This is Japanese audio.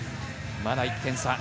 まだ１点差。